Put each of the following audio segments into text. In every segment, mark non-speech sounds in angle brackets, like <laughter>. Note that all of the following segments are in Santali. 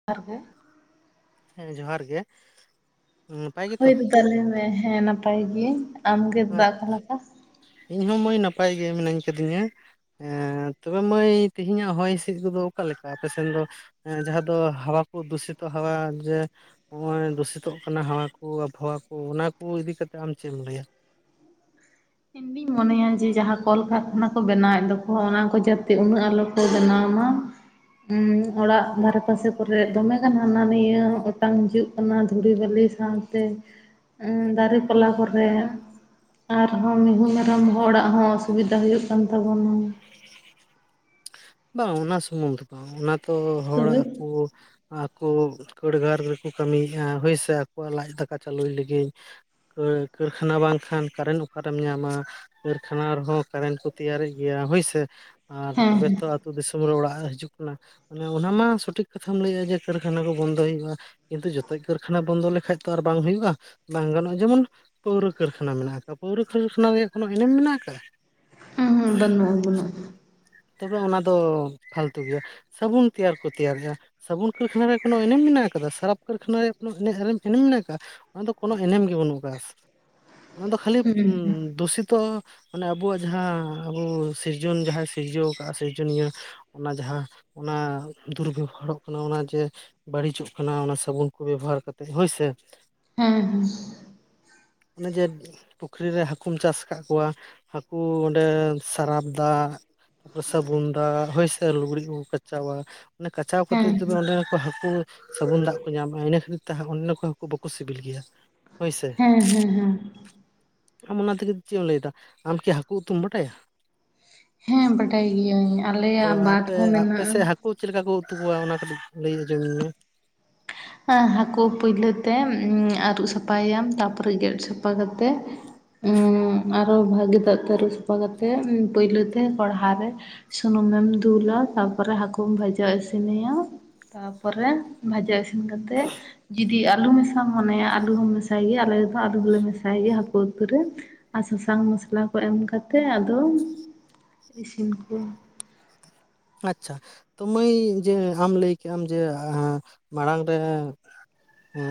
<unintelligible> ᱦᱮᱸ ᱡᱚᱦᱟᱨ ᱜᱮ᱾ ᱱᱟᱯᱟᱭ ᱜᱮᱛᱚ ᱦᱳᱭ ᱫᱟᱫᱟ ᱞᱟᱹᱭ ᱢᱮ ᱦᱮᱸ ᱱᱟᱯᱟᱭ ᱜᱮ, ᱟᱢᱜᱮ ᱫᱟ ᱟᱪᱪᱷᱟ, ᱚᱠᱟ ᱞᱮᱠᱟ? ᱤᱧ ᱦᱚᱸ ᱢᱟᱹᱭ ᱱᱟᱯᱟᱭ ᱜᱮ ᱢᱤᱱᱟᱹᱧ ᱟᱠᱟᱫᱤᱧᱟ᱾ ᱮᱸ ᱛᱚᱵᱮ ᱢᱟᱹᱭ ᱛᱮᱦᱤᱧᱟᱜ ᱦᱚᱭ ᱦᱤᱸᱥᱤᱫ ᱠᱚᱫᱚ ᱚᱠᱟ ᱞᱮᱠᱟ ᱟᱯᱮ ᱥᱮᱱ ᱫᱚ? ᱮᱸ ᱡᱟᱦᱟᱸ ᱫᱚ ᱦᱟᱣᱟ ᱠᱚ ᱫᱩᱥᱤᱛᱚᱜ ᱦᱟᱣᱟ ᱡᱮ ᱱᱚᱜ-ᱚᱭ ᱫᱩᱥᱤᱛᱚᱜ ᱠᱟᱱᱟ ᱦᱟᱣᱟ ᱠᱚ ᱟᱵᱚᱦᱟᱣᱟ ᱠᱚ ᱚᱱᱟ ᱠᱚ ᱤᱫᱤ ᱠᱟᱛᱮᱜ ᱟᱢ ᱪᱮᱫ ᱮᱢ ᱞᱟᱹᱭᱟ? ᱤᱧᱤᱧ ᱢᱚᱱᱮᱭᱟ ᱡᱮ ᱡᱟᱦᱟᱸ ᱠᱚᱞᱠᱟᱨᱠᱷᱟᱱᱟ ᱠᱚ ᱵᱮᱱᱟᱣᱮᱫ ᱫᱚᱠᱚ ᱚᱱᱟ ᱠᱚ ᱡᱟᱛᱮ ᱩᱱᱟᱹᱜ ᱟᱞᱚ ᱠᱚ ᱵᱮᱱᱟᱣ ᱢᱟ᱾ ᱦᱩᱸ ᱚᱲᱟᱜ ᱫᱷᱟᱨᱮ ᱯᱟᱥᱮ ᱠᱚᱨᱮ ᱫᱚᱢᱮᱜᱟᱱ ᱦᱟᱱᱟᱱᱤᱭᱟᱹ ᱚᱴᱟᱝ ᱦᱤᱡᱩᱜ ᱠᱟᱱᱟ ᱫᱷᱩᱲᱤ ᱵᱟᱹᱞᱤ ᱥᱟᱶᱛᱮ ᱫᱟᱨᱮ ᱯᱟᱞᱟ ᱠᱚᱨᱮ, ᱟᱨᱦᱚᱸ ᱢᱤᱦᱩ ᱢᱮᱨᱚᱢ ᱦᱚᱲᱟᱜ ᱦᱚᱸ ᱚᱥᱩᱵᱤᱫᱟ ᱦᱩᱭᱩᱜ ᱠᱟᱱ ᱛᱟᱵᱚᱱᱟ᱾ ᱵᱟᱝ ᱚᱱᱟ ᱥᱩᱢᱩᱝ ᱫᱚ ᱵᱟᱝ ᱚᱱᱟ ᱫᱚ ᱦᱚᱲ ᱛᱚᱵᱮ ᱟᱹᱛᱩ ᱟᱠᱚ ᱠᱟᱹᱲᱜᱟᱨ ᱨᱮᱠᱚ ᱠᱟᱹᱢᱤᱭᱮᱫᱼᱟ ᱦᱳᱭᱥᱮ ᱟᱠᱚᱣᱟᱜ ᱞᱟᱡ ᱫᱟᱠᱟ ᱪᱟᱹᱞᱩᱭ ᱞᱟᱹᱜᱤᱫ, ᱠᱟᱹᱨᱠᱷᱟᱱᱟ ᱵᱟᱝᱠᱷᱟᱱ ᱠᱟᱨᱮᱱᱴ ᱚᱠᱟᱨᱮᱢ ᱧᱟᱢᱟ? ᱠᱟᱹᱨᱠᱷᱟᱱᱟ ᱨᱮᱦᱚᱸ ᱠᱟᱨᱮᱱᱴ ᱠᱚ ᱛᱮᱭᱟᱨᱮᱫ ᱜᱮᱭᱟ ᱦᱳᱭᱥᱮ ᱟᱨ ᱦᱮᱸ ᱛᱚᱵᱮ ᱦᱮᱸ ᱟᱹᱛᱩᱳ ᱫᱤᱥᱚᱢ ᱨᱮ ᱚᱲᱟᱜ ᱦᱤᱡᱩᱜ ᱠᱟᱱᱟ ᱢᱟᱱᱮ ᱚᱱᱟ ᱢᱟ ᱥᱚᱴᱷᱤᱠ ᱠᱟᱛᱷᱟᱢ ᱞᱟᱹᱭᱮᱜᱼᱟ ᱡᱮ ᱠᱟᱹᱨᱠᱷᱟᱱᱟ ᱠᱚ ᱵᱚᱱᱫᱚᱭ ᱦᱩᱭᱩᱜᱼᱟ᱾ ᱠᱤᱱᱛᱩ ᱡᱚᱛᱚ ᱠᱟᱹᱨᱠᱷᱟᱱᱟ ᱵᱚᱱᱫᱚ ᱞᱮᱠᱷᱟᱡ ᱛᱚ ᱟᱨ ᱵᱟᱝ ᱦᱩᱭᱩᱜᱼᱟ, ᱵᱟᱝ ᱜᱟᱱᱚᱜᱼᱟ ᱡᱮᱢᱚᱱ ᱯᱟᱹᱣᱨᱟᱹ ᱠᱟᱹᱨᱠᱷᱟᱱᱟ ᱢᱮᱱᱟᱜ ᱟᱠᱟ-ᱟ, ᱯᱟᱹᱣᱨᱟᱹ ᱠᱟᱹᱨᱠᱷᱟᱱᱟ ᱨᱮᱭᱟᱜ ᱠᱚᱱᱳ ᱮᱱᱮᱢ ᱢᱮᱱᱟᱜ ᱟᱠᱟᱜ-ᱟ᱾ ᱦᱩᱸ ᱦᱩᱸ ᱵᱟᱹᱱᱩᱜ ᱵᱟᱹᱱᱩᱜ-ᱟ᱾ ᱛᱚᱵᱮ ᱚᱱᱟ ᱫᱚ ᱯᱷᱟᱞᱛᱩ ᱜᱮᱭᱟ ᱥᱟᱵᱚᱱ ᱛᱮᱭᱟᱨ ᱠᱚ ᱛᱮᱭᱟᱨᱮᱼᱟ᱾ ᱥᱟᱵᱩᱱ ᱠᱟᱹᱨᱠᱷᱟᱱᱟ ᱨᱮᱭᱟᱜ ᱠᱳᱱᱳ ᱮᱱᱮᱢ ᱢᱮᱱᱟᱜ ᱟᱠᱟᱫᱟ ᱥᱟᱨᱯ ᱠᱟᱹᱨᱠᱷᱟᱱᱟ ᱨᱮᱭᱟᱜ ᱠᱳᱱᱳ ᱮᱱᱮ ᱮᱨᱮ ᱮᱱᱮᱢ ᱢᱮᱱᱟᱜ ᱟᱠᱟᱼᱟ᱾ ᱚᱱᱟᱫᱚ ᱠᱳᱱᱳ ᱮᱱᱮᱢ ᱜᱮ ᱵᱟᱹᱱᱩᱜ ᱟᱠᱟᱫᱟ᱾ ᱚᱱᱟ ᱫᱚ ᱠᱷᱟᱹᱞᱤ ᱦᱩᱸ ᱫᱩᱥᱤᱛᱚ ᱢᱟᱱᱮ ᱟᱵᱚᱣᱟᱜ ᱡᱟᱦᱟᱸ ᱟᱵᱚ ᱥᱤᱨᱡᱚᱱ ᱡᱟᱦᱟᱸ ᱥᱤᱨᱡᱟᱹᱣ ᱟᱠᱟᱜᱼᱟ ᱥᱤᱨᱡᱚᱱᱤᱭᱟᱹ ᱚᱱᱟ ᱡᱟᱦᱟᱸ ᱚᱱᱟ ᱫᱩᱨᱵᱮᱦᱟᱨᱚᱜ ᱠᱟᱱᱟ ᱚᱱᱟ ᱡᱮ ᱵᱟᱹᱲᱤᱡᱚᱜ ᱠᱟᱱᱟ ᱚᱱᱟ ᱥᱟᱵᱚᱱ ᱠᱚ ᱵᱮᱵᱚᱦᱟᱨ ᱠᱟᱛᱮᱫ ᱦᱳᱭᱥᱮ᱾ ᱦᱮᱸ ᱦᱮᱸ ᱚᱱᱮ ᱡᱮ ᱯᱩᱠᱷᱨᱤ ᱨᱮ ᱦᱟᱠᱩᱢ ᱪᱟᱥ ᱟᱠᱟᱫ ᱠᱚᱣᱟ, ᱦᱟᱹᱠᱩ ᱚᱸᱰᱮ ᱥᱟᱨᱟᱯ ᱫᱟᱜ ᱥᱟᱵᱩᱱ ᱫᱟᱜ ᱦᱳᱭ ᱥᱮ ᱞᱩᱜᱽᱲᱤ ᱠᱚᱠᱚ ᱠᱟᱪᱟᱣᱟ ᱢᱟᱱᱮ ᱠᱟᱪᱟᱣ ᱠᱟᱛᱮ ᱦᱮᱸ ᱦᱮᱸ ᱛᱚᱵᱮ ᱚᱸᱰᱮ ᱦᱟᱹᱠᱩ ᱥᱟᱵᱩᱱ ᱫᱟᱜ ᱠᱚ ᱧᱟᱢᱟ ᱤᱱᱟᱹ ᱠᱷᱟᱹᱛᱤᱨ ᱛᱮ ᱚᱱᱮᱱ ᱠᱚ ᱦᱟᱹᱠᱩ ᱵᱟᱠᱚ ᱥᱤᱵᱤᱞ ᱜᱮᱭᱟ᱾ ᱦᱳᱭᱥᱮ ᱦᱮᱸ ᱦᱮᱸ ᱦᱮᱸ ᱟᱢ ᱚᱱᱟ ᱛᱮᱜᱮ ᱪᱮᱫ ᱮᱢ ᱞᱟᱹᱭᱮᱫᱟ, ᱟᱢ ᱠᱤ ᱦᱟᱹᱠᱩ ᱩᱛᱩᱢ ᱵᱟᱰᱟᱭᱟ? ᱦᱮᱸ ᱵᱟᱰᱟᱭ ᱜᱤᱭᱟᱹᱧ ᱛᱚ ᱟᱞᱮᱭᱟᱜ ᱵᱟᱸᱫ ᱟᱯᱮ ᱦᱚᱸ ᱟᱯᱮ ᱢᱮᱱᱟᱜᱼᱟ᱾ ᱥᱮᱫ ᱦᱟᱹᱠᱩ ᱪᱮᱫ ᱞᱮᱠᱟ ᱠᱚ ᱩᱛᱩ ᱠᱚᱣᱟ ᱚᱱᱟ ᱠᱟᱹᱴᱤᱡ ᱞᱟᱹᱭ ᱟᱡᱚᱢᱟᱹᱧ ᱢᱮ? ᱦᱟᱹᱠᱩ ᱯᱳᱭᱞᱳ ᱛᱮ ᱟᱹᱨᱩᱵ ᱥᱟᱯᱷᱟᱭᱟᱢ ᱛᱟᱨᱯᱚᱨᱮ ᱜᱮᱫ ᱥᱟᱯᱷᱟ ᱠᱟᱛᱮᱫ ᱟᱨᱚ ᱵᱷᱟᱹᱜᱤ ᱫᱟᱜ ᱛᱮ ᱟᱹᱨᱩᱵ ᱥᱟᱯᱷᱟ ᱠᱟᱛᱮᱫ ᱯᱳᱭᱞᱟᱹ ᱛᱮ ᱠᱚᱲᱦᱟ ᱨᱮ ᱥᱩᱱᱩᱢᱮᱢ ᱫᱩᱞᱟ ᱛᱟᱨᱯᱚᱨᱮ ᱦᱟᱹᱠᱩᱢ ᱵᱷᱟᱡᱟ ᱤᱥᱤᱱᱮᱭᱟ᱾ ᱛᱟᱯᱚᱨᱮ ᱵᱷᱟᱡᱟ ᱤᱥᱤᱱ ᱠᱟᱛᱮ ᱟᱹᱞᱩ ᱢᱮᱥᱟᱢ ᱢᱚᱱᱮᱭᱟ ᱟᱞᱩ ᱦᱚᱸᱢ ᱢᱮᱥᱟᱭ ᱜᱮᱭᱟ ᱟᱞᱮ ᱫᱚ ᱟᱞᱩ ᱦᱚᱸᱞᱮ ᱢᱮᱥᱟᱭ ᱜᱮᱭᱟ ᱦᱟᱹᱠᱩ ᱩᱛᱩ ᱨᱮ᱾ ᱟᱨ ᱥᱟᱥᱟᱝ ᱢᱚᱥᱞᱟ ᱠᱚ ᱮᱢ ᱠᱟᱛᱮᱫ ᱟᱫᱚ ᱤᱥᱤᱱ ᱠᱚ᱾ ᱟᱪᱷᱟ ᱛᱚ ᱢᱟᱹᱭ ᱡᱮ ᱟᱢ ᱞᱟᱹᱭ ᱠᱮᱜ-ᱟᱢ ᱡᱮ ᱢᱟᱲᱟᱝ ᱨᱮ ᱮ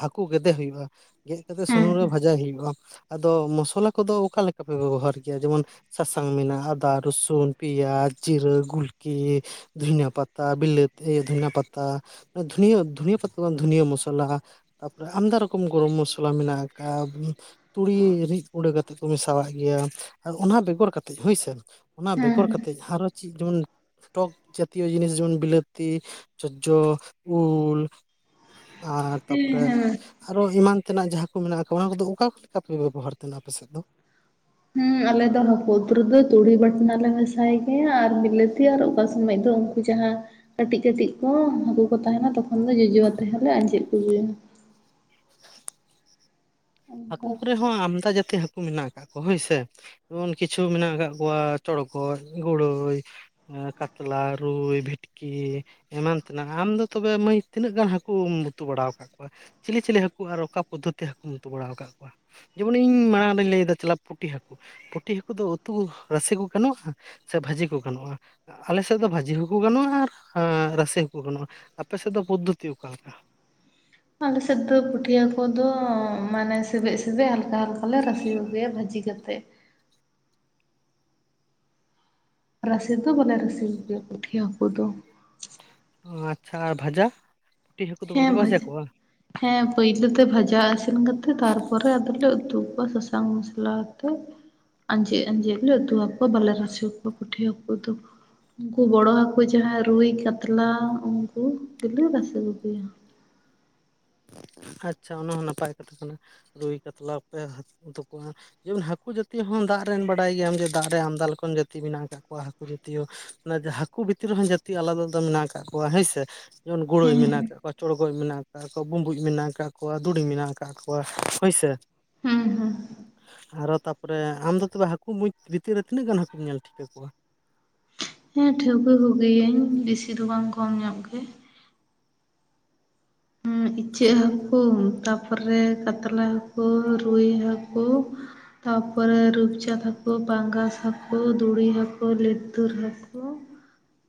ᱦᱟᱹᱠᱩ ᱜᱮᱫᱮ ᱦᱩᱭᱩᱜᱼᱟ ᱜᱮᱫ ᱠᱟᱛᱮᱜ ᱦᱮᱸ ᱥᱩᱱᱩᱢ ᱨᱮ ᱵᱷᱟᱡᱟᱭ ᱦᱩᱭᱩᱜᱼᱟ ᱟᱫᱚ ᱢᱚᱥᱞᱟ ᱠᱚᱫᱚ ᱚᱠᱟᱮ ᱞᱮᱠᱟ ᱯᱮ ᱵᱮᱵᱚᱦᱟᱨ ᱜᱮᱭᱟ ᱡᱮᱢᱚᱱ ᱥᱟᱥᱟᱝ ᱢᱮᱱᱟᱜᱼᱟ ᱟᱫᱟ ᱨᱚᱥᱩᱱ ᱯ ᱯᱮᱸᱭᱟᱡᱽ ᱡᱤᱨᱟᱹ ᱜᱩᱞᱠᱤ ᱫᱷ ᱯᱟᱛᱟ ᱵᱤᱞᱟᱹᱛᱤ ᱫᱷᱚᱱ ᱯᱟᱛᱟ ᱫᱷᱩᱱ ᱯᱟᱛᱟ ᱫᱚ ᱵᱟᱝ ᱫᱷᱩᱱᱤᱭᱟᱹ ᱢᱚᱥᱞᱟ ᱛᱟᱯᱚᱨᱮ ᱟᱢᱫᱟ ᱨᱚᱠᱚᱢ ᱜᱚᱨᱚᱢ ᱢᱚᱥᱞᱟ ᱢᱮᱱᱟᱜ ᱟᱠᱟᱜᱼᱟ᱾ ᱛᱩᱲᱤ ᱨᱤᱫ ᱜᱩᱸᱰᱟᱹ ᱠᱟᱛᱮᱮᱫ ᱠᱚ ᱢᱮᱥᱟᱣᱟᱜ ᱜᱮᱭᱟ ᱟᱨ ᱚᱱᱟ ᱵᱮᱜᱚᱨ ᱠᱟᱛᱮᱮᱫ ᱦᱳᱭᱥᱮ ᱚᱱᱟ ᱦᱮᱸ ᱵᱮᱜᱚᱨ ᱠᱟᱛᱮᱫ ᱟᱨᱚ ᱪᱮᱫ ᱡᱮᱢᱚᱱ ᱴᱚᱠ ᱡᱛᱤᱭᱚ ᱡᱤᱱᱤᱥ ᱡᱮᱢᱚᱱ ᱵᱤᱞᱟᱹᱛᱤ ᱪᱚᱡᱡᱚ ᱩᱞ ᱟᱨ ᱦᱮᱸ ᱦᱮᱸ ᱛᱟᱨᱯᱚᱨᱮ ᱦᱮᱸ ᱟᱨᱚ ᱮᱢᱟᱱ ᱛᱮᱱᱟᱜ ᱡᱟᱦᱟᱸ ᱠᱚ ᱢᱮᱱᱟᱜ ᱠᱚᱣᱟ ᱚᱱᱟ ᱠᱚᱫᱚ ᱚᱠᱟ ᱞᱮᱠᱟ ᱯᱮ ᱵᱮᱵᱚᱦᱟᱨ ᱛᱟᱦᱮᱱᱟ ᱟᱯᱮ ᱥᱮᱫ ᱫᱚ ᱦᱮᱸ ᱟᱞᱮ ᱫᱚ ᱦᱠᱩ ᱨᱮᱫᱚ ᱛᱩᱲᱤ ᱵᱟᱴᱱᱟ ᱞᱮ ᱢᱮᱥᱟᱭ ᱜᱮᱭᱟ ᱟᱨ ᱵᱤᱞᱮᱛᱮ ᱟᱨ ᱚᱠᱟ ᱥᱚᱢᱚᱭ ᱫᱚ ᱠᱩ ᱡᱟᱦᱟᱸ ᱠᱟᱹᱴᱤᱡ ᱠᱟᱹᱴᱤᱡ ᱠᱚ ᱦᱟᱹᱠᱩ ᱠᱚ ᱛᱟᱦᱮᱱᱟ ᱛᱚᱠᱷᱚᱱ ᱫᱚ ᱡᱚᱡᱚ ᱟ ᱛᱮᱦᱞᱮ ᱟᱸᱡᱮᱫ ᱠᱚᱜᱮᱭᱟ᱾ ᱦᱟᱹᱠᱩ ᱚᱱᱠᱟ ᱠᱚᱨᱮ ᱦᱚᱸ ᱟᱢᱫᱟ ᱡᱟᱛᱤ ᱦᱟᱹᱠᱩ ᱢᱮᱱᱟᱜ ᱟᱠᱟᱫ ᱠᱚ ᱦᱳᱭᱥᱮ ᱡᱮᱢᱚᱱ ᱠᱤᱪᱷᱩ ᱢᱮᱱᱟᱜ ᱟᱠᱟᱫ ᱠᱚᱣᱟ ᱪᱚᱲᱠᱚᱚᱡ ᱜᱲᱟᱹᱭ ᱠᱟᱛᱞᱟ ᱨᱩᱭ ᱵᱷᱤᱴᱠᱤ ᱮᱢᱟᱱ ᱛᱮᱱᱟᱜ ᱟᱢ ᱫᱚ ᱛᱚᱵᱮ ᱢᱟᱹᱭ ᱛᱤᱱᱟᱹᱜ ᱜᱟᱱ ᱦᱟᱹᱠᱩᱢ ᱩᱛᱩ ᱵᱟᱲᱟ ᱟᱠᱟᱫ ᱠᱚᱣᱟ? ᱪᱤᱞᱤ ᱪᱤᱞᱤ ᱦᱟᱹᱠᱩ ᱟᱨ ᱚᱠᱟ ᱯᱚᱫᱽᱫᱷᱚᱛᱤ ᱦᱟᱹᱠᱩᱢ ᱩᱛᱩ ᱵᱟᱲᱟ ᱟᱠᱟᱫ ᱠᱚᱣᱟ? ᱡᱮᱢᱚᱱ ᱤᱧ ᱢᱟᱲᱟᱝ ᱨᱮᱧ ᱞᱟᱹᱭᱮᱫ ᱪᱟᱞᱟ ᱯᱩᱴᱤ ᱦᱟᱹᱠᱩ, ᱯᱩᱴᱷᱤ ᱦᱟᱹᱠᱩ ᱫᱚ ᱩᱛᱩ ᱨᱟᱥᱮ ᱠᱚ ᱜᱟᱱᱚᱜᱼᱟ ᱥᱮ ᱵᱷᱟᱹᱡᱤ ᱠᱚ ᱜᱟᱱᱚᱜᱼᱟ, ᱟᱞᱮᱮᱥᱮᱫ ᱫᱚ ᱵᱷᱟᱹᱡᱤ ᱦᱚᱸᱠᱩ ᱜᱟᱱᱚᱜᱼᱟ ᱟᱨ ᱨᱟᱥᱮ ᱦᱚᱸᱠᱚ ᱜᱟᱱᱚᱜᱼᱟ ᱟᱯᱮᱮᱥᱮᱫ ᱫᱚ ᱯᱚᱫᱽᱫᱷᱚᱛᱤ ᱚᱠᱟᱞᱮᱠᱟ? ᱟᱞᱮᱥᱮᱫ ᱫᱚ ᱯᱟᱹᱴᱤᱭᱟᱹ ᱠᱚᱫᱚ ᱢᱟᱱᱮ ᱥᱮᱵᱮ ᱥᱮᱵᱮᱡ ᱦᱟᱞᱠᱟ ᱦᱟᱞᱠᱟ ᱞᱮᱮ ᱨᱟᱥᱮ ᱟᱜᱩᱭᱟ ᱵᱷᱤ ᱤᱫᱤ ᱠᱟᱛᱮ ᱨᱟᱥᱮ ᱫᱚ ᱵᱟᱞᱮ ᱨᱟᱥᱮ ᱜᱮᱭᱟ ᱯᱩᱴᱷᱤ ᱦᱟᱹᱠᱩ ᱫᱚ᱾ ᱟᱪᱪᱷᱟ, ᱟᱨ ᱵᱷᱟᱡᱟ? ᱯᱩᱴᱤ ᱦᱟᱹᱠᱩ ᱫᱚ ᱵᱟᱯᱮ ᱦᱮᱸ ᱵᱷᱟᱡᱟ᱾ ᱠᱚᱣᱟ ᱦᱮᱸ ᱯᱳᱭᱞᱳ ᱛᱮ ᱵᱷᱟᱡᱟ ᱤᱥᱤᱱ ᱠᱟᱛᱮᱜ ᱛᱟᱨᱯᱚᱨᱮ ᱟᱫᱚᱞᱮ ᱩᱛᱩ ᱠᱚᱣᱟ ᱥᱟᱥᱟᱝ ᱢᱚᱥᱞᱟ ᱟᱛᱮᱜ᱾ ᱟᱸᱡᱮᱫ ᱟᱸᱡᱮᱫ ᱞᱮ ᱩᱛᱩ ᱦᱟᱠᱳᱭᱟ ᱵᱟᱞᱮ ᱨᱟᱥᱮᱭᱟᱠᱣᱟ ᱯᱩᱴᱷᱤ ᱦᱟᱹᱠᱩ ᱫᱚ᱾ ᱩᱱᱠᱩ ᱵᱚᱲᱚ ᱦᱠᱩ ᱡᱟᱦᱟᱸᱭ ᱨᱩᱭ ᱠᱟᱛᱞᱟ ᱩᱱᱠᱩ ᱜᱮᱞᱮ ᱨᱟᱥᱮ ᱠᱚᱣᱟ᱾ <unintelligible> ᱟᱪᱪᱷᱟ ᱚᱱᱟ ᱦᱚᱸ ᱱᱟᱯᱟᱭ ᱠᱟᱛᱷᱟ ᱠᱟᱱᱟ ᱨᱩᱭ ᱠᱟᱛᱞᱟ ᱯᱮ ᱩᱛᱩ ᱠᱚᱣᱟ᱾ ᱡᱮᱢᱚᱱ ᱦᱟᱹᱠᱩ ᱡᱟᱹᱛᱤᱚ ᱦᱚᱸ ᱫᱟᱜ ᱨᱮᱱ ᱵᱟᱰᱟᱭ ᱜᱮᱭᱟᱢ ᱡᱮ ᱫᱟᱜ ᱨᱮ ᱟᱢᱫᱟ ᱞᱮᱠᱟᱱ ᱡᱟᱹᱛᱤ ᱢᱮᱱᱟᱜ ᱟᱠᱟᱫ ᱠᱚᱣᱟ ᱦᱟᱹᱠᱩ ᱡᱟᱹᱛᱤᱭᱚ ᱚᱱᱟᱮ ᱦᱟᱹᱠᱩ ᱵᱷᱤᱛᱤᱨ ᱨᱮᱦᱚᱸ ᱡᱟᱹᱛᱤ ᱟᱞᱟᱫᱟ ᱟᱞᱟᱫᱟ ᱢᱮᱱᱟᱜ ᱟᱠᱟᱟᱜ ᱠᱚᱣᱟ ᱦᱮᱸᱥᱮ, ᱡᱮᱢᱚᱱ ᱜᱳᱲᱳᱭ ᱢᱮᱱᱟᱜ ᱦᱮᱸ ᱟᱠᱟᱫ ᱠᱚᱣᱟ ᱪᱚᱲᱜᱚᱡ ᱢᱮᱱᱟᱜᱫ ᱠᱚᱣᱟ ᱵᱩᱸᱵᱩᱡ ᱢᱮᱱᱟᱜ ᱟᱠᱟᱫ ᱠᱚᱣᱟ ᱫᱩᱲᱤ ᱢᱮᱱᱟᱜ ᱟᱠᱟᱫ ᱠᱚᱣᱟ ᱦᱳᱭᱥᱮ᱾ ᱦᱩᱸ, ᱦᱩᱸ, ᱟᱨᱚ ᱛᱟᱯᱚᱨᱮ ᱟᱢ ᱫᱚ ᱛᱚᱵᱮ ᱦᱟᱹᱠᱩ ᱢᱩᱚᱸᱡᱽ ᱵᱷᱤᱛᱤᱨ ᱨᱮ ᱛᱤᱱᱟᱹᱜ ᱜᱟᱱ ᱦᱟᱹᱠᱩᱢ ᱧᱮᱞ ᱴᱷᱤᱠᱟ ᱠᱩᱣᱟ? ᱦᱮᱸ ᱴᱷᱟᱹᱣᱠᱟᱹ ᱠᱚᱜᱮᱭᱤᱭᱟᱹᱧ ᱵᱤᱥᱤ ᱫᱚ ᱵᱟᱝ ᱠᱚᱢ ᱧᱚᱜ ᱜᱮ, ᱦᱮᱸ ᱤᱪᱟᱹᱜ ᱦᱟᱹᱠᱩ, ᱛᱟᱨᱯᱚᱨᱮ ᱠᱟᱛᱞᱟ ᱦᱟᱹᱠᱩ, ᱨᱩᱭ ᱦᱟᱹᱠᱩ, ᱛᱟᱯᱚᱨᱮ ᱨᱩᱯᱪᱟᱫᱽ ᱦᱟᱹᱠᱩ, ᱯᱟᱸᱜᱟᱥ ᱦᱟᱹᱠᱩ, ᱫᱩᱲᱤ ᱦᱟᱹᱠᱩ, ᱞᱤᱛᱩᱨ ᱦᱟᱹᱠᱩ,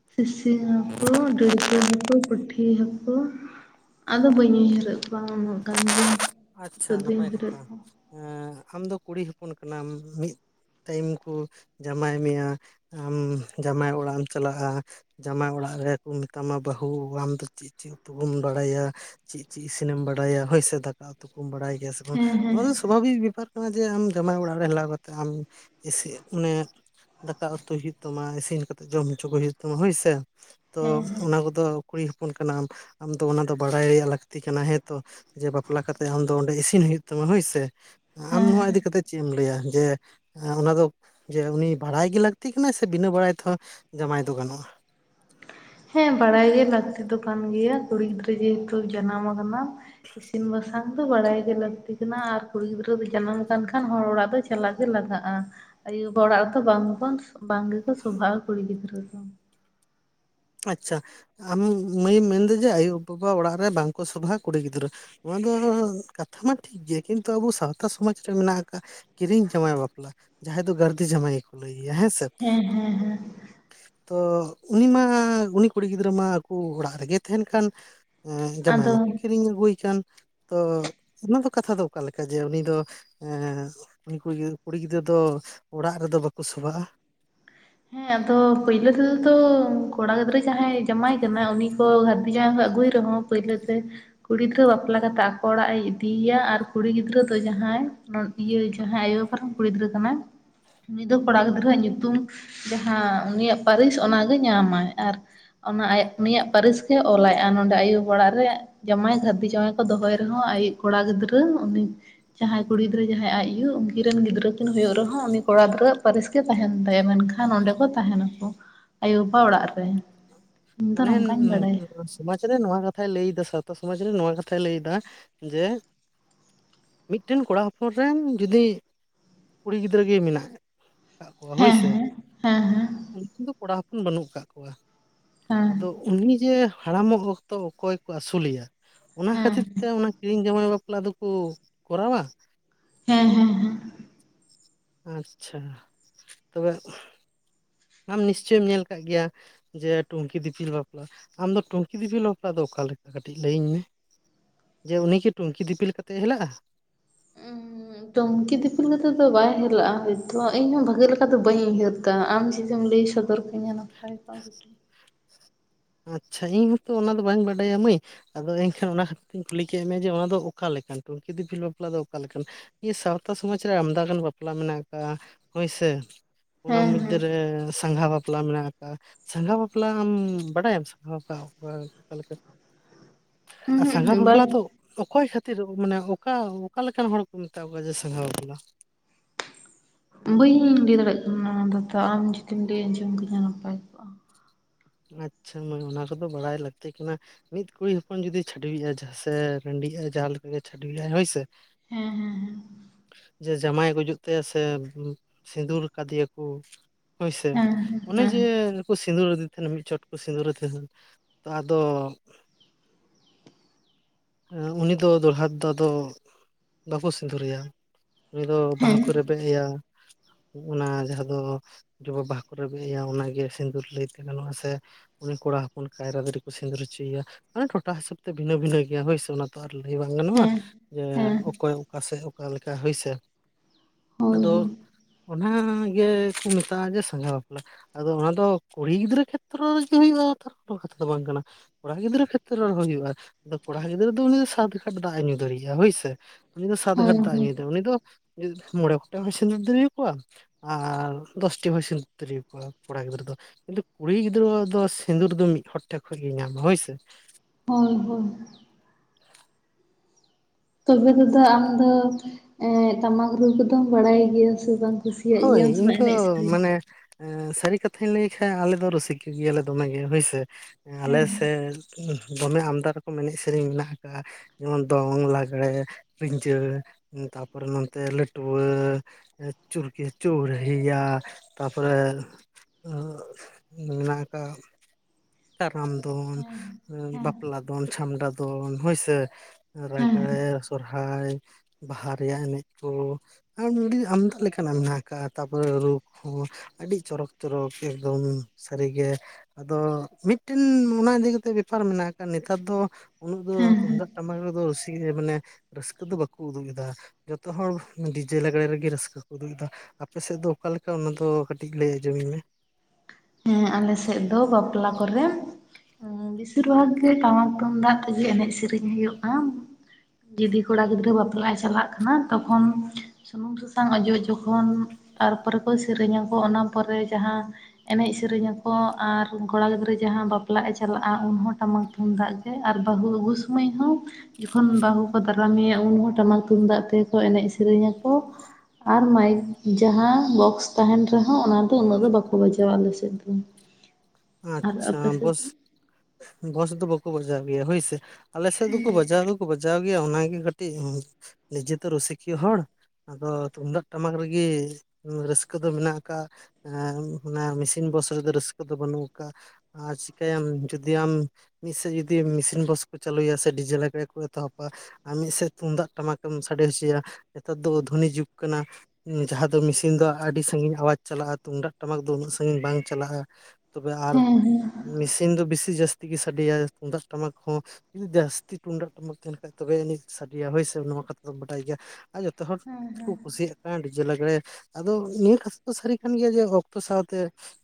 ᱠᱩ ᱥᱤᱥᱤ ᱦᱟᱹᱠᱩ, ᱰᱟᱹᱲᱠᱟᱹ ᱦᱠᱩ, ᱯᱴᱷᱤ ᱦᱟᱹᱠᱩ, ᱟᱫᱚ ᱵᱟᱹᱧ ᱩᱭᱦᱟᱹᱨᱮᱫ ᱠᱚᱣᱟ ᱩᱱᱟᱹᱜ ᱜᱟᱱᱜᱤᱧ ᱟᱪᱪᱷᱟ ᱱᱤᱛᱚᱜ ᱫᱚᱧ ᱱᱟᱯᱟᱭ ᱩᱭᱦᱟᱹᱨᱮᱫ ᱠᱟᱛᱷᱟ ᱠᱚᱣᱟ᱾ ᱮᱸ ᱟᱢᱫᱚ ᱠᱩᱲᱤ ᱦᱚᱯᱚᱱ ᱠᱟᱱᱟᱢ ᱢᱤᱫ ᱛᱟᱹᱭᱤᱢ ᱠᱚ ᱡᱟᱶᱟᱭ ᱢᱮᱭᱟ ᱟᱢ ᱡᱟᱢᱟᱭ ᱚᱲᱟᱜ ᱮᱢ ᱪᱟᱞᱟᱜᱼᱟ, ᱡᱟᱶᱟᱭ ᱚᱲᱟᱜ ᱨᱮᱠᱚ ᱢᱮᱛᱟᱢᱟ ᱵᱟᱹᱦᱩ ᱟᱢ ᱫᱚ ᱪᱮᱫ ᱪᱮᱫ ᱪᱮᱫ ᱩᱛᱩ ᱠᱚᱢ ᱵᱟᱲᱟᱭᱟ ᱪᱮᱫ ᱪᱮᱫ ᱤᱥᱤᱱᱮᱢ ᱵᱟᱲᱟᱭᱟ, ᱵᱟᱰᱟᱭᱟ ᱦᱳᱭ ᱥᱮ ᱫᱟᱠᱟ ᱩᱛᱩ ᱠᱚᱢ ᱵᱟᱲᱟᱭ ᱜᱮᱭᱟ ᱥᱮ ᱵᱟᱝ ᱦᱮᱸ ᱦᱮᱸ ᱱᱚᱣᱟ ᱫᱚ ᱥᱟᱵᱷᱟᱵᱤᱠ ᱵᱮᱯᱟᱨ, ᱱᱚᱜᱼᱚᱭ ᱡᱮ ᱟᱢ ᱡᱟᱢᱟᱭ ᱚᱲᱟᱜ ᱨᱮ ᱦᱮᱞᱟᱣ ᱠᱟᱛᱮᱫ ᱟᱢ ᱮᱥ ᱚᱱᱮ ᱫᱟᱠᱟ ᱩᱛᱩᱭ ᱦᱩᱭᱩᱜ ᱛᱟᱢᱟ ᱤᱥᱤᱱ ᱠᱟᱛᱮᱫ ᱡᱚᱢ ᱦᱚᱪᱚ ᱠᱚ ᱦᱩᱭᱩᱜ ᱛᱟᱢᱟ ᱦᱳᱭᱥᱮ, ᱛᱚ ᱦᱮᱸ ᱚᱱᱟ ᱠᱚᱫᱚ ᱠᱩᱲᱤ ᱦᱚᱯᱚᱱ ᱠᱟᱱᱟᱢ ᱟᱢ ᱫᱚ ᱚᱱᱟ ᱫᱚ ᱵᱟᱲᱟᱭ ᱨᱮᱭᱟᱜ ᱞᱟᱹᱠᱛᱤ ᱠᱟᱱᱟ ᱦᱮᱸ ᱛᱚ, ᱡᱮ ᱵᱟᱯᱞᱟ ᱠᱟᱛᱮᱜ ᱟᱢ ᱫᱚ ᱚᱸᱰᱮ ᱤᱥᱤᱱ ᱦᱩᱭᱩᱜ ᱛᱟᱢᱟ ᱦᱳᱭᱥᱮ᱾ ᱟᱢ ᱦᱮᱸ ᱱᱚᱣᱟ ᱦᱮᱸ ᱤᱫᱤ ᱠᱟᱛᱮᱜ ᱪᱮᱫ ᱮᱢ ᱞᱟᱹᱭᱟ ᱡᱮ ᱦᱸ ᱚᱱᱟ ᱫᱚ ᱡᱮ ᱩᱱᱤ ᱵᱟᱲᱟᱭ ᱜᱮ ᱞᱟᱹᱠᱛᱤ ᱠᱟᱱᱟ ᱥᱮ ᱵᱤᱱᱟᱹ ᱵᱟᱲᱟᱭ ᱛᱮᱦᱚᱸ ᱡᱟᱢᱟᱭ ᱫᱚ ᱜᱟᱱᱚᱜᱼᱟ? ᱦᱮᱸ ᱵᱟᱲᱟᱭ ᱜᱮ ᱞᱟᱹᱠᱛᱤ ᱫᱚ ᱠᱟᱱ ᱜᱮᱭᱟ ᱠᱩᱲᱤ ᱜᱤᱫᱽᱨᱟᱹ ᱡᱮᱦᱮᱛᱩ ᱡᱟᱱᱟᱢ ᱟᱠᱟᱱᱟ, ᱤᱥᱤᱱ ᱵᱟᱥᱟᱝ ᱫᱚ ᱵᱟᱲᱟᱭ ᱜᱮ ᱞᱟᱹᱠᱛᱤ ᱠᱟᱱᱟ ᱟᱨ ᱠᱩᱲᱤ ᱜᱤᱫᱽᱨᱟᱹ ᱫᱚ ᱡᱟᱱᱟᱢ ᱠᱷᱟᱱ ᱠᱷᱟᱱ ᱦᱚᱲ ᱚᱲᱟᱜ ᱫᱚ ᱪᱟᱞᱟᱜ ᱜᱮ ᱞᱟᱜᱟᱜᱼᱟ ᱟᱭᱩ ᱵᱟᱵᱟ ᱚᱲᱟᱜ ᱨᱮᱫᱚ ᱵᱟᱝ ᱵᱚᱝ ᱵᱟᱝ ᱜᱮᱠᱚ ᱥᱚᱵᱷᱟᱜᱼᱟ ᱠᱩᱲᱤ ᱜᱤᱫᱽᱨᱟᱹ ᱫᱚ᱾ ᱟᱪᱪᱷᱟ ᱟᱢ ᱢᱟᱹᱭᱮᱢ ᱢᱮᱱᱫᱟ ᱡᱮ ᱟᱭᱳᱵᱟᱵᱟ ᱚᱲᱟᱜ ᱨᱮ ᱵᱟᱝᱠᱚ ᱥᱚᱵᱷᱟ ᱠᱩᱲᱤ ᱜᱤᱫᱽᱨᱟᱹ? ᱚᱱᱟ ᱫᱚ ᱠᱟᱛᱷᱟ ᱢᱟ ᱴᱷᱤᱠ ᱜᱮᱭᱟ ᱠᱤᱱᱛᱩ ᱟᱵᱚ ᱥᱟᱶᱛᱟ ᱥᱚᱢᱟᱡᱽ ᱨᱮ ᱢᱮᱱᱟᱜ ᱟᱠᱟᱫ ᱠᱤᱨᱤᱧ ᱡᱟᱶᱟᱭ ᱵᱟᱯᱞᱟ ᱡᱟᱦᱟᱸᱭ ᱫᱚ ᱜᱟᱨᱫᱤ ᱡᱟᱶᱟᱭ ᱜᱮᱠᱚ ᱞᱟᱹᱭ ᱟᱭᱟ ᱦᱮᱸᱥᱮ, ᱦᱮᱸ, ᱦᱮᱸ, ᱦᱮᱸ, ᱛᱚ ᱩᱱᱤ ᱢᱟ ᱩᱱᱤ ᱠᱩᱲᱤ ᱜᱤᱫᱽᱨᱟᱹ ᱢᱟ ᱟᱠᱩ ᱚᱲᱟᱜ ᱨᱮᱜᱮ ᱛᱟᱦᱸᱮᱱ ᱠᱷᱟᱱ ᱮᱸ ᱟᱸᱡᱟᱢ ᱢᱮ ᱟᱫᱚ ᱵᱟᱠᱚ ᱠᱤᱨᱤᱧ ᱟᱹᱜᱩᱭ ᱠᱷᱟᱱ ᱛᱚ ᱚᱱᱟ ᱫᱚ ᱠᱟᱛᱷᱟ ᱫᱚ ᱚᱠᱟ ᱞᱮᱠᱟ ᱡᱮ ᱩᱱᱤ ᱫᱚ ᱮᱸᱻ ᱩᱱᱤ ᱠᱩᱲᱤ ᱠᱩᱲᱤ ᱜᱤᱫᱽᱨᱟᱹ ᱫᱚ ᱚᱲᱟᱜ ᱨᱮᱫᱚ ᱵᱟᱠᱚ ᱥᱚᱵᱷᱟᱜᱼᱟ᱾ ᱦᱮᱸ ᱟᱫᱚ ᱯᱳᱭᱞᱳ ᱛᱮᱫᱚ ᱫᱚ ᱠᱚᱲᱟ ᱜᱤᱫᱽᱨᱟᱹ ᱡᱟᱦᱟᱸᱭ ᱠᱟᱱᱟᱭ ᱩᱱᱤ ᱠᱚ ᱜᱷᱟᱨᱫᱤ ᱡᱟᱶᱟᱭ ᱠᱚ ᱟᱹᱜᱩᱭ ᱨᱮᱦᱚᱸ ᱯᱳᱭᱞᱳ ᱛᱮ, ᱠᱩᱲᱤ ᱜᱤᱫᱽᱨᱟᱹ ᱵᱟᱯᱞᱟ ᱠᱟᱛᱮᱫ ᱚᱲᱟᱜ ᱮ ᱤᱫᱤᱭᱮᱭᱟ ᱟᱨ ᱠᱩᱲᱤ ᱜᱤᱫᱽᱨᱟᱹ ᱫᱚ ᱡᱟᱦᱟᱸᱭ ᱤᱭᱟᱹ ᱡᱟᱦᱟᱸᱭ ᱟᱭᱳᱵᱟᱵᱟ ᱨᱮᱱ ᱠᱩᱲᱤ ᱜᱤᱫᱽᱨᱟᱹ ᱠᱟᱱᱟᱭ ᱩᱱᱤ ᱫᱚ ᱠᱚᱲᱟ ᱜᱤᱫᱽᱨᱟᱹᱣᱟᱜ ᱧᱩᱛᱩᱢ, ᱡᱟᱦᱟᱸ ᱩᱱᱤᱭᱟᱜ ᱯᱟᱹᱨᱤᱥ ᱚᱱᱟᱜᱮ ᱧᱟᱢᱟᱭ ᱟᱨ, ᱚᱱᱟ ᱟᱡᱽ ᱩᱱᱤᱭᱟᱜ ᱯᱟᱹᱨᱤᱥ ᱜᱮ ᱚᱞᱟᱭ, ᱟᱨ ᱱᱚᱸᱰᱮ ᱟᱭᱳ ᱵᱟᱵᱟ ᱚᱲᱟᱜ ᱨᱮ ᱡᱟᱢᱟᱭ ᱜᱷᱟᱨᱫᱤ ᱡᱟᱶᱟᱭ ᱠᱚ ᱫᱚᱦᱚᱭᱮ ᱨᱮᱦᱚᱸ ᱟᱡᱤᱡ ᱠᱚᱲᱟ ᱜᱤᱫᱽᱨᱟᱹ ᱩᱱᱤ ᱡᱟᱦᱟᱸᱭ ᱠᱩᱲᱤ ᱜᱤᱫᱽᱨᱟᱹ ᱡᱟᱦᱟᱸᱭ ᱟᱡ ᱟᱭᱩ ᱩᱱᱠᱤᱱ ᱨᱮᱱ ᱜᱤᱫᱽᱨᱟᱹ ᱠᱤᱱ ᱦᱩᱭᱩᱜ ᱨᱮᱦᱚᱸ ᱩᱱᱤ ᱠᱚᱲᱟ ᱜᱤᱫᱽᱨᱟᱹᱣᱟᱜ ᱯᱟᱹᱨᱤᱥ ᱜᱮ ᱛᱟᱦᱮᱱ ᱛᱟᱭᱟ, ᱢᱮᱱ ᱠᱷᱟᱱ ᱚᱸᱰᱮ ᱠᱚ ᱛᱟᱦᱮᱱᱟ ᱠᱚ, ᱟᱭᱳ ᱵᱟᱵᱟ ᱚᱲᱟᱜ ᱨᱮ, ᱤᱧ ᱫᱚ ᱢᱟᱱᱮ ᱱᱚᱝᱠᱟᱧ ᱵᱟᱰᱟᱭᱟ᱾ ᱥᱚᱢᱟᱡᱽ ᱨᱮ ᱱᱚᱣᱟ ᱠᱟᱛᱷᱟᱭ ᱞᱟᱹᱭᱫᱟ, ᱥᱟᱶᱛᱟ ᱥᱚᱢᱟᱡᱽ ᱨᱮ ᱱᱚᱣᱟ ᱠᱟᱛᱷᱟᱭ ᱞᱟᱹᱭᱫᱟ ᱡᱮ ᱢᱤᱫᱴᱮᱱ ᱠᱚᱲᱟ ᱦᱚᱯᱚᱱ ᱨᱮᱱ ᱡᱩᱫᱤ ᱠᱩᱲᱤ ᱜᱤᱫᱽᱨᱟᱹ ᱜᱮ ᱢᱮᱱᱟᱜ ᱠᱟᱜ ᱠᱚᱣᱟ ᱦᱮᱸ ᱦᱳᱭᱥᱮ, ᱦᱮᱸ ᱦᱮᱸ ᱩᱱᱠᱩ ᱫᱚ ᱠᱚᱲᱟ ᱦᱚᱯᱚᱱ ᱵᱟᱹᱱᱩᱜ ᱠᱟᱜ ᱠᱚᱣᱟ᱾ ᱦᱮᱸ ᱦᱮᱸ ᱟᱫᱚ ᱩᱱᱤ ᱡᱮ ᱦᱟᱲᱟᱢᱚᱜ ᱚᱠᱛᱚ ᱚᱠᱚᱭ ᱠᱚ ᱟᱹᱥᱩᱞᱮᱭᱟ, ᱚᱱᱟ ᱦᱮᱸ ᱦᱮᱸ ᱠᱷᱟᱹᱛᱤᱨ ᱛᱮ ᱚᱱᱟ ᱠᱤᱨᱤᱧ ᱡᱟᱶᱟᱭ ᱵᱟᱯᱞᱟ ᱫᱚᱠᱚ ᱠᱚᱨᱟᱣᱟ? ᱦᱮᱸ ᱦᱮᱸ ᱦᱮᱸ᱾ ᱟᱪᱪᱷᱟ ᱛᱚᱵᱮ ᱟᱢ ᱱᱤᱥᱪᱚᱭᱮᱢ ᱧᱮᱞ ᱟᱠᱟᱫ ᱜᱮᱭᱟ ᱡᱮ ᱴᱩᱝᱠᱤ ᱫᱤᱯᱤᱞ ᱵᱟᱯᱞᱟ? ᱟᱢᱫᱚ ᱴᱩᱝᱠᱤ ᱫᱤᱯᱤᱞ ᱵᱟᱯᱞᱟ ᱫᱚ ᱚᱠᱟ ᱞᱮᱠᱟ ᱠᱟᱹᱴᱤᱡ ᱞᱟᱹᱭᱟᱹᱧ ᱢᱮ᱾ ᱡᱮ ᱩᱱᱤ ᱠᱤ ᱴᱩᱝᱠᱤ ᱫᱤᱯᱤᱞ ᱠᱟᱛᱮᱫ ᱮ ᱦᱮᱞᱟᱜᱼᱟ? <inaudible> ᱴᱩᱝᱠᱤ ᱫᱤᱯᱤᱞ ᱠᱟᱛᱮᱫ ᱫᱚ ᱵᱟᱭ ᱦᱮᱞᱟᱜᱼᱟ ᱦᱳᱭᱛᱚ, ᱤᱧᱦᱚᱸ ᱵᱷᱟᱜᱮ ᱞᱮᱠᱟ ᱫᱚ ᱵᱟᱹᱧ ᱩᱭᱦᱟᱹᱨᱫᱟ ᱟᱢ ᱡᱩᱫᱤᱢ ᱞᱟᱹᱭ ᱥᱚᱫᱚᱨ ᱠᱤᱧᱟᱹ <inaudible> <inaudible> ᱟᱪᱪᱷᱟ ᱤᱧ ᱦᱚᱸᱛᱚ ᱚᱱᱟ ᱫᱚ ᱵᱟᱹᱧ ᱵᱟᱰᱟᱭᱟ ᱢᱟᱹᱭ᱾ ᱟᱫᱚ ᱮᱱᱠᱷᱟᱱ ᱚᱱᱟ ᱠᱷᱟᱹᱛᱤᱨ ᱛᱤᱧ ᱠᱩᱞᱤ ᱠᱮᱫ ᱢᱮᱭᱟ ᱡᱮ ᱚᱱᱟ ᱫᱚ ᱚᱠᱟ ᱞᱮᱠᱟᱱ ᱴᱩᱝᱠᱤ ᱫᱤᱯᱤᱞ ᱵᱟᱯᱞᱟ ᱫᱚ ᱚᱠᱟ ᱞᱮᱠᱟᱱ? ᱱᱤᱭᱟᱹ ᱥᱟᱶᱛᱟ ᱥᱚᱢᱟᱡᱽ ᱨᱮ ᱟᱢᱫᱟ ᱜᱟᱱ ᱵᱟᱯᱞᱟ ᱢᱮᱱᱟᱜ ᱠᱟᱜᱼᱟ ᱦᱳᱭᱥᱮ᱾ ᱚᱱᱟ ᱦᱮᱸ ᱢᱚᱫᱽᱫᱷᱮ ᱦᱮᱸ ᱨᱮ ᱥᱟᱸᱜᱷᱟ ᱵᱟᱯᱞᱟ ᱢᱮᱱᱟᱜ ᱠᱟᱜᱼᱟ, ᱥᱟᱸᱜᱷᱟ ᱵᱟᱯᱞᱟ ᱟᱢ ᱵᱟᱰᱟᱭᱟᱢ ᱥᱟᱸᱜᱷᱟ ᱵᱟᱯᱞᱟ ᱚᱠᱟ ᱞᱮᱠᱟ? ᱟᱨ ᱩᱸᱦᱩᱜ ᱥᱟᱸᱜᱷᱟ ᱩᱸᱦᱩᱜ ᱵᱟᱯᱞᱟ ᱵᱟᱹᱧ ᱫᱚ ᱚᱠᱚᱭ ᱠᱷᱟᱹᱛᱤᱨ ᱢᱟᱱᱮ ᱚᱠᱟ ᱚᱠᱟᱞᱮᱠᱟᱱ ᱦᱚᱲ ᱠᱚ ᱢᱮᱛᱟ ᱠᱚᱣᱟ ᱡᱮ ᱥᱟᱸᱜᱷᱟ ᱵᱟᱯᱞᱟ? ᱵᱟᱹᱧ ᱞᱟᱹᱭ ᱫᱟᱲᱮᱭᱟᱜ ᱠᱟᱱᱟ ᱱᱚᱣᱟ ᱫᱟᱫᱟ ᱟᱢ ᱡᱩᱫᱤᱢ ᱞᱟᱹᱭ ᱟᱸᱡᱚᱢ ᱠᱤᱧᱟ ᱱᱟᱯᱟᱭ᱾ ᱠᱚᱜᱼᱟ ᱟᱪᱪᱷᱟ ᱢᱟᱹᱭ ᱚᱱᱟ ᱠᱚᱫᱚ ᱵᱟᱲᱟᱭ ᱞᱟᱹᱠᱛᱤ ᱠᱟᱱᱟ᱾ ᱢᱤᱫ ᱠᱩᱲᱤ ᱦᱚᱯᱚᱱ ᱡᱩᱫᱤ ᱪᱷᱟᱹᱰᱣᱤᱜ-ᱟᱭ ᱡᱟᱦᱟᱸ ᱥᱮ ᱨᱮᱺᱰᱤᱜ-ᱟᱭ ᱡᱟᱦᱟᱸ ᱞᱮᱠᱟ ᱜᱮ ᱪᱷᱟᱰᱣᱤᱜ-ᱟᱭ ᱦᱳᱭ ᱥᱮ᱾ ᱦᱮᱸ ᱦᱮᱸ ᱦᱮᱸ᱾ ᱡᱮ ᱡᱟᱢᱟᱭᱮ ᱜᱩᱡᱩᱜ ᱛᱟᱭᱟ ᱥᱮ ᱥᱤᱸᱫᱩᱨ ᱠᱟᱫᱮᱭᱟ ᱠᱚ, ᱦᱳᱭᱥᱮ, ᱦᱮᱸ ᱚᱱᱮ ᱦᱮᱸ ᱡᱮ ᱠᱩ ᱥᱤᱸᱫᱩᱨ ᱟᱫᱮ ᱛᱟᱦᱮᱸᱱ ᱢᱤᱫ ᱪᱷᱚᱴ ᱠᱚ ᱥᱤᱸᱫᱩᱨ ᱟᱫᱮ ᱛᱟᱦᱮᱱ ᱛᱚ ᱟᱫᱚ ᱩᱱᱤ ᱫᱚ ᱫᱚᱲᱦᱟ ᱛᱮᱫᱚ ᱟᱫᱚ ᱵᱟᱠᱚ ᱥᱤᱸᱫᱩᱨᱮᱴᱟᱭᱟ᱾ ᱩᱱᱤ ᱫᱚ ᱵᱟᱦᱟ ᱦᱮᱸ ᱦᱮᱸ ᱠᱚᱨᱮ ᱯᱮ ᱟᱭᱟ ᱚᱱᱟ ᱡᱟᱦᱟᱸ ᱫᱚ ᱡᱚᱵᱟ ᱵᱟᱦᱟ ᱠᱚ ᱨᱮᱵᱮᱫ ᱟᱭᱟ ᱚᱱᱟᱜᱮ ᱥᱤᱸᱫᱩᱨ ᱞᱟᱹᱭᱛᱮ ᱜᱟᱱᱚᱜᱼᱟ ᱥᱮ ᱩᱱᱤ ᱠᱚᱲᱟ ᱦᱚᱯᱚᱱ ᱠᱟᱭᱨᱟ ᱫᱟᱨᱮ ᱠᱚ ᱥᱤᱸᱫᱩᱨ ᱦᱚᱪᱚᱭᱮᱭᱟ, ᱚᱱᱮ ᱴᱚᱴᱷᱟ ᱦᱤᱥᱟᱹᱵ ᱛᱮ ᱵᱷᱤᱱᱟᱹ ᱵᱷᱤᱱᱟᱹ ᱜᱮᱭᱟᱢ ᱦᱳᱭᱥᱮ ᱚᱱᱟ ᱛᱚ ᱟᱨ ᱞᱟᱹᱭ ᱵᱟᱝ ᱦᱮᱸ ᱜᱟᱱᱚᱜᱼᱟ, ᱦᱮᱸ ᱡᱮ ᱦᱮᱸ ᱚᱠᱚᱭ ᱚᱠᱟ ᱚᱠᱟ ᱥᱮᱫ ᱚᱠᱟ ᱞᱮᱠᱟ ᱦᱳᱭ ᱥᱮ, ᱦᱳᱭ ᱟᱫᱚ ᱚᱱᱟ ᱤᱭᱟᱹ ᱠᱚ ᱢᱮᱛᱟᱜᱼᱟ ᱡᱮ ᱥᱟᱸᱜᱟ ᱵᱟᱯᱞᱟ᱾ ᱟᱫᱚ ᱚᱱᱟ ᱫᱚ ᱠᱩᱲᱤ ᱜᱤᱫᱽᱨᱟᱹ ᱠᱷᱮᱛᱨᱚ ᱨᱮᱜᱮ ᱦᱩᱭᱩᱜᱼᱟ ᱛᱟᱨ ᱠᱳᱱᱳ ᱠᱟᱛᱷᱟ ᱫᱚ ᱵᱟᱝ ᱠᱟᱱᱟ᱾ ᱠᱚᱲᱟ ᱜᱤᱫᱽᱨᱟᱹ ᱠᱷᱮᱛᱨᱮ ᱨᱚᱦᱚᱸ ᱦᱩᱭᱩᱜᱼᱟ᱾ ᱟᱫᱚ ᱠᱚᱲᱟ ᱜᱤᱫᱽᱨᱟᱹ ᱫᱚ ᱩᱱᱤ ᱫᱚ ᱥᱟᱛ ᱜᱷᱟᱴ ᱫᱟᱜ ᱮ ᱧᱩ ᱫᱟᱲᱮᱭᱟᱜᱼᱟ ᱦᱳᱭ ᱥᱮ, ᱩᱱᱤ ᱫᱚ ᱥᱟᱛ ᱦᱳᱭ ᱜᱷᱟᱴ ᱫᱟᱜ ᱮ ᱦᱳᱭ ᱧᱩᱭ ᱫᱟ ᱩᱱᱤ ᱫᱚ ᱡᱩᱫᱤ ᱢᱚᱬᱮ ᱜᱚᱴᱮᱡ ᱦᱚᱸᱭ ᱥᱤᱸᱤᱫᱩᱨ ᱫᱟᱲᱮᱭᱟᱠᱚᱣᱟ ᱟᱨ ᱫᱚᱥᱴᱤ ᱦᱚᱸᱭ ᱥᱤᱸᱤᱫᱩᱨ ᱫᱟᱲᱭᱟᱠᱚᱣᱟ᱾ ᱠᱚᱲᱟ ᱜᱤᱫᱽᱨᱟᱹ ᱫᱚ, ᱠᱤᱱᱛᱩ ᱠᱩᱲᱤ ᱜᱤᱫᱽᱨᱟᱹᱣᱟᱜ ᱫᱚ ᱥᱤᱸᱫᱩᱨ ᱫᱚ ᱢᱤᱫ ᱦᱚᱲ ᱴᱷᱮᱡ ᱠᱷᱚᱡ ᱜᱮᱭ ᱧᱟᱢᱟ ᱦᱳᱭᱥᱮ᱾ ᱦᱳᱭ ᱦᱳᱭ᱾ ᱛᱚᱵᱮ ᱫᱟᱫᱟ ᱟᱢ ᱫᱚ ᱮᱸ ᱴᱟᱢᱟᱠ ᱨᱩ ᱠᱚᱫᱚᱢ ᱵᱟᱲᱟᱭ ᱜᱮᱭᱟ ᱥᱮ ᱵᱟᱝ? ᱠᱩᱥᱤᱭᱟᱜ ᱦᱳᱭ ᱜᱮᱭᱟᱢ ᱥᱮ ᱤᱧ ᱵᱟᱝ ᱫᱚ ᱮᱱᱮᱡ ᱥᱮᱨᱮᱧ ᱢᱟᱱᱮ ᱮᱸ ᱥᱟᱹᱨᱤ ᱠᱟᱛᱷᱟᱧ ᱞᱟᱹᱭ ᱠᱷᱟᱡ ᱟᱞᱮ ᱫᱚ ᱨᱩᱥᱤᱠᱥ ᱜᱮᱭᱟᱞᱮ ᱫᱚᱢᱮ ᱜᱮ ᱦᱳᱭᱥᱮ ᱮᱸ ᱟᱞᱮ ᱦᱮᱸ ᱥᱮᱫ ᱩᱸᱦ ᱫᱚᱢᱮ ᱟᱢᱫᱟ ᱨᱚᱠᱚᱢ ᱮᱱᱮᱡ ᱥᱮᱨᱮᱧ ᱢᱮᱱᱟᱜ ᱠᱟᱜᱼᱟ ᱡᱮᱢᱚᱱ ᱫᱚᱝ, ᱞᱟᱜᱽᱲᱮ ᱨᱤᱸᱡᱟᱹ ᱛᱟᱯᱚᱨᱮ ᱱᱚᱱᱛᱮ ᱞᱟᱹᱴᱣᱟᱹ ᱪᱩᱨᱠᱤ ᱪᱩᱨᱦᱤᱭᱟ, ᱛᱟᱯᱚᱨᱮ ᱮᱸ ᱢᱮᱱᱟᱜ ᱟᱠᱟᱜ-ᱟ ᱠᱟᱨᱟᱢ ᱫᱚᱱ, ᱦᱮᱸ ᱮᱸ ᱦᱮᱸ ᱵᱟᱯᱞᱟ ᱫᱚᱱ, ᱪᱷᱟᱢᱰᱟ ᱫᱚᱱ ᱦᱳᱭᱥᱮ᱾ ᱨᱟᱜᱽᱲᱮ, ᱦᱮᱸ ᱥᱚᱨᱦᱟᱭ, ᱵᱟᱦᱟ ᱨᱮᱭᱟᱜ ᱮᱱᱮᱡ ᱠᱚ <unintelligible> ᱟᱢᱫᱟ ᱞᱮᱠᱟ ᱠᱟᱱᱟᱜ ᱢᱮᱱᱟᱜ ᱟᱠᱟᱜᱼᱟ, ᱛᱟᱯᱚᱨᱮ ᱨᱩ ᱠᱚᱦᱚᱸ ᱟᱹᱰᱤ ᱪᱚᱨᱚᱠ ᱪᱚᱨᱚᱠ ᱮᱠᱫᱚᱢ ᱥᱟᱹᱨᱤᱜᱮ᱾ ᱟᱫᱚ ᱢᱤᱫᱴᱮᱱ ᱚᱱᱟ ᱤᱫᱤ ᱠᱟᱛᱮᱜ ᱵᱮᱯᱟᱨ ᱢᱮᱱᱟᱜ ᱟᱠᱟᱜ-ᱟ ᱱᱮᱛᱟᱨ ᱫᱚ ᱩᱱᱟᱹᱜ ᱫᱚ ᱛᱩᱢᱫᱟᱜ ᱴᱟᱢᱟᱠ ᱨᱮᱫᱚ ᱨᱩᱥᱤ ᱢᱟᱱᱮ ᱨᱟᱹᱥᱠᱟᱹ ᱫᱚ ᱵᱟᱠᱚ ᱩᱫᱩᱜ ᱮᱫᱟ᱾ ᱡᱚᱛᱚ ᱦᱚᱲ ᱰᱤ ᱡᱮ ᱞᱟᱜᱽᱲᱮ ᱨᱮᱜᱮ ᱨᱟᱹᱥᱠᱟᱹ ᱩᱫᱩᱜ ᱮᱫᱟ᱾ ᱟᱯᱮ ᱥᱮᱫ ᱫᱚ ᱚᱠᱟ ᱞᱮᱠᱟ ᱚᱱᱟᱫᱚ ᱠᱟᱹᱴᱤᱡ ᱞᱟᱹᱭ ᱟᱸᱡᱚᱢᱤᱧ ᱢᱮ᱾ ᱦᱮᱸ ᱟᱞᱮ ᱥᱮᱫ ᱫᱚ ᱵᱟᱯᱞᱟ ᱠᱚᱨᱮ ᱩᱸ ᱵᱤᱥᱤᱨ ᱵᱷᱟᱜᱽ ᱜᱮ ᱴᱟᱢᱟᱠ ᱛᱩᱢᱫᱟᱜ ᱛᱮᱜᱮ ᱮᱱᱮᱡ ᱥᱤᱨᱤᱧ ᱦᱩᱭᱩᱜᱼᱟ᱾ ᱡᱩᱫᱤ ᱠᱩᱲᱟ ᱜᱤᱫᱽᱨᱟᱹ ᱵᱟᱯᱞᱜ-ᱮ ᱪᱟᱞᱟᱜ ᱠᱟᱱᱟ ᱛᱚᱠᱷᱚᱱ ᱥᱩᱱᱩᱢ ᱥᱟᱥᱟᱝ ᱚᱡᱚᱜ ᱡᱚᱠᱷᱚᱱ ᱛᱟᱨᱯᱚᱨᱮ ᱠᱚ ᱥᱮᱨᱮᱧᱟᱠᱚ ᱚᱱᱟ ᱯᱚᱨᱮ ᱡᱟᱦᱟᱸ ᱮᱱᱮᱡ ᱥᱮᱨᱮᱧ ᱟᱠᱚ ᱟᱨ ᱠᱚᱲᱟ ᱜᱤᱫᱽᱨᱟᱹ ᱡᱟᱦᱟᱸ ᱵᱟᱯᱞᱟᱜ-ᱮ ᱪᱟᱞᱟᱜᱼᱟ ᱩᱱ ᱦᱚᱸ ᱴᱟᱢᱟᱠ ᱛᱩᱢᱫᱟᱜ ᱜᱮ ᱟᱨ ᱵᱟᱹᱦᱩ ᱟᱹᱜᱩ ᱥᱩᱢᱟᱹᱡ ᱦᱚᱸ ᱡᱚᱠᱷᱚᱱ ᱵᱟᱹᱦᱩ ᱠᱚ ᱫᱟᱨᱟᱢᱮᱭᱟ ᱩᱱ ᱦᱚᱸ ᱴᱟᱢᱟᱠ ᱛᱩᱢᱫᱟᱜ ᱛᱮᱜᱮ ᱠᱚ ᱮᱱᱮᱡ ᱥᱮᱨᱮᱧᱟᱠᱚ᱾ ᱟᱨ ᱢᱟᱭᱤᱠ ᱡᱟᱦᱟᱸ ᱵᱚᱠᱥ ᱛᱟᱦᱮᱱ ᱨᱮᱦᱚᱸ ᱚᱱᱟ ᱫᱚ ᱩᱱᱟᱹᱜ ᱫᱚ ᱵᱟᱠᱚ ᱵᱟᱡᱟ ᱡᱟᱣᱟ ᱟᱞᱮ ᱥᱮᱫ ᱫᱚ᱾ ᱟᱨ ᱟᱪᱪᱷᱟ ᱟᱯᱮ ᱥᱮᱫ ᱵᱚᱥ, ᱫᱚ? ᱵᱚᱥ ᱫᱚ ᱵᱟᱠᱚ ᱵᱟᱡᱟᱣ ᱜᱮᱭᱟ ᱦᱳᱥᱮ? ᱟᱞᱮ ᱥᱮᱫ ᱦᱩᱸ ᱫᱚᱠᱚ ᱦᱩᱸ ᱵᱟᱡᱟᱣ ᱫᱚᱠᱚ ᱵᱟᱡᱟᱣ ᱜᱮᱭᱟ ᱚᱱᱟᱜᱮ ᱠᱟᱹᱴᱤᱡ ᱱᱤᱡᱮᱛᱚ ᱨᱩᱥᱤᱠᱤᱭᱟᱹ ᱦᱚᱲ᱾ ᱟᱫᱚ ᱛᱩᱢᱫᱟᱜ ᱴᱟᱢᱟᱠ ᱨᱮᱜᱮ ᱨᱟᱹᱥᱠᱟᱹ ᱫᱚ ᱢᱮᱱᱟᱜ ᱟᱠᱟᱜ-ᱟ᱾ ᱮᱸ ᱚᱱᱟ ᱢᱮᱥᱤᱱ ᱵᱚᱥ ᱨᱮᱫᱚ ᱨᱟᱹᱥᱠᱟᱹ ᱫᱚ ᱵᱟᱹᱱᱩᱜ ᱟᱠᱟᱜᱼᱟ, ᱟᱨ ᱪᱤᱠᱟᱹᱭᱟᱢ ᱡᱩᱫᱤ ᱟᱢ ᱢᱤᱫ ᱥᱮᱫ ᱡᱩᱫᱤ ᱢᱤᱥᱤᱱ ᱵᱚᱠᱥ ᱠᱚ ᱪᱟᱹᱞᱩᱭᱟ ᱥᱮ ᱰᱤ ᱡᱮ ᱞᱟᱜᱲᱮ ᱠᱚ ᱮᱛᱚᱦᱚᱵᱟᱼ- ᱟᱨ ᱢᱤᱫ ᱥᱮᱫ ᱛᱩᱢᱫᱟᱜ ᱴᱟᱢᱟᱠᱮᱢ ᱥᱟᱰᱮ ᱦᱚᱪᱚᱭᱟ, ᱱᱮᱛᱟᱨ ᱫᱚ ᱫᱷᱚᱱᱤ ᱡᱩᱜᱽ ᱠᱟᱱᱟ ᱡᱟᱦᱟᱸ ᱫᱚ ᱢᱮᱥᱤᱱ ᱫᱚ ᱟᱹᱰᱤ ᱥᱟᱺᱜᱤᱧ ᱟᱣᱟᱡ ᱪᱟᱞᱟᱜᱼᱟ ᱛᱩᱢᱫᱟᱹᱜ ᱴᱟᱢᱟᱠ ᱫᱚ ᱩᱱᱟᱹᱜ ᱥᱟᱹᱜᱤᱧ ᱵᱟᱝ ᱪᱟᱞᱟᱜᱼᱟ᱾ ᱛᱚᱵᱮ ᱟᱨ ᱦᱮᱸ ᱦᱮᱸ ᱢᱤᱥᱤᱱ ᱫᱚ ᱵᱤᱥᱤ ᱡᱟᱹᱥᱛᱤ ᱜᱤ ᱥᱟᱰᱤᱭᱟ ᱛᱩᱢᱫᱟᱜ ᱴᱟᱢᱟᱠ ᱦᱚᱸ ᱠᱤᱱᱛᱩ ᱡᱟᱹᱥᱛᱤ ᱛᱩᱢᱫᱟᱜ ᱴᱟᱢᱟᱠ ᱛᱟᱦᱮᱱ ᱠᱷᱟᱡ ᱛᱚᱵᱮ ᱟᱹᱱᱤᱡ ᱥᱟᱰᱮᱭᱟ ᱦᱳᱭ ᱥᱮ, ᱱᱚᱣᱟ ᱠᱟᱛᱷᱟ ᱫᱚᱢ ᱵᱟᱰᱟᱭ ᱜᱮᱭᱟ ᱟᱨ ᱡᱚ <inaudible> ᱠᱚ ᱠᱩᱥᱤᱭᱟᱜ ᱦᱮᱸ ᱰᱤ ᱡᱮ ᱞᱟᱜᱲᱮ, ᱟᱫᱚ ᱱᱤᱭᱟᱹ ᱠᱟᱛᱷᱟ ᱫᱚ ᱥᱟᱹᱨᱤ ᱠᱟᱱ ᱜᱮᱭᱟ ᱡᱮ ᱚᱠᱛᱚ ᱥᱟᱶᱛᱮ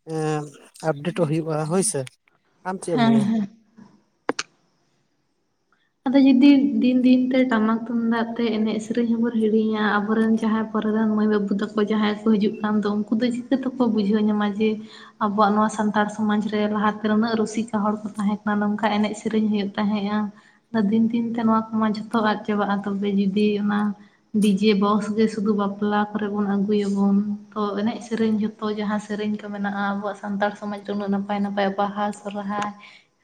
ᱮᱸ ᱟᱯᱰᱮᱴᱚᱜ ᱦᱩᱭᱩᱜᱼᱟ ᱦᱳᱭᱥᱮ, ᱟᱢ ᱪᱮᱫ ᱮᱢ ᱦᱮᱸ ᱦᱮᱸ ᱢᱚᱱᱮᱭᱟ? ᱟᱫᱚ ᱡᱩᱫᱤ ᱫᱤᱱ ᱫᱤᱱ ᱛᱮ ᱴᱟᱢᱟᱠ ᱛᱩᱢᱫᱟᱜ ᱛᱮ ᱮᱱᱮᱡ ᱥᱤᱨᱤᱧ ᱦᱚᱸᱵᱚᱱ ᱦᱤᱲᱤᱧᱟ ᱟᱵᱚᱨᱮᱱ ᱡᱟᱦᱟᱸ ᱯᱚᱨᱮ ᱨᱮᱱ ᱢᱟᱹᱭ ᱵᱟᱹᱵᱩ ᱛᱟᱠᱚ ᱡᱟᱦᱟᱸᱭ ᱠᱚ ᱦᱤᱡᱩᱜ ᱠᱟᱱ ᱫᱚ ᱩᱱᱠᱩ ᱫᱚ ᱪᱤᱠᱟᱹ ᱛᱮᱠᱚ ᱵᱩᱡᱷᱟᱹᱣ ᱧᱟᱢᱟ ᱡᱮ ᱟᱵᱚᱣᱟᱜ ᱱᱚᱣᱟ ᱥᱟᱱᱛᱟᱲ ᱥᱚᱢᱟᱡᱽ ᱨᱮ ᱞᱟᱦᱟᱛᱮ ᱱᱩᱱᱟᱹᱜ ᱨᱩᱥᱤᱠᱟ ᱦᱚᱲ ᱠᱚ ᱛᱟᱦᱮᱸ ᱠᱟᱱᱟ ᱱᱚᱝᱠᱟ ᱮᱱᱮᱡ ᱥᱮᱨᱮᱧ ᱦᱩᱭᱩᱜ ᱛᱟᱦᱮᱸᱜᱼᱟ, ᱟᱫᱚ ᱫᱤᱱ ᱫᱤᱱᱛᱮ ᱱᱚᱣᱟ ᱠᱚᱢᱟ ᱡᱷᱚᱛᱚ ᱟᱫ ᱪᱟᱵᱟᱜᱼᱟ ᱛᱚᱵᱮ ᱡᱩᱫᱤ ᱚᱱᱟ ᱰᱤ ᱡᱮ ᱵᱚᱠᱥ ᱜᱮ ᱥᱩᱫᱷᱩ ᱵᱟᱯᱞᱟ ᱠᱚᱨᱮᱜ ᱵᱚᱱ ᱟᱹᱜᱩᱭᱟᱹᱵᱚᱱ ᱛᱚ ᱮᱱᱮᱡ ᱥᱮᱨᱮᱧ ᱡᱷᱚ ᱛᱚ ᱡᱟᱦᱟᱸ ᱥᱮᱨᱮᱧ ᱠᱚ ᱢᱮᱱᱟᱜᱼᱟ ᱟᱵᱚᱣᱟᱜ ᱥᱟᱱᱛᱟᱲ ᱥᱚᱢᱟᱡᱽ ᱨᱮ ᱩᱱᱟᱹᱜ ᱱᱟᱯᱟᱭ ᱱᱟᱯᱟᱭ ᱵᱟᱦᱟ, ᱥᱚᱨᱚᱦᱟᱭ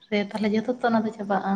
ᱥᱮ ᱛᱟᱦᱚᱞᱮ ᱡᱚᱛᱚ ᱛᱚ ᱚᱱᱟ ᱫᱚ ᱪᱟᱵᱟᱜᱼᱟ?